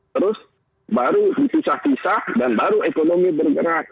terus baru dipisah pisah dan baru ekonomi bergerak